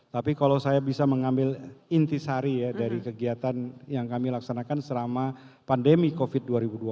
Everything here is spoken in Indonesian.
tapi kalau saya bisa mengambil inti sari ya dari kegiatan yang kami laksanakan selama pandemi covid dua ribu dua puluh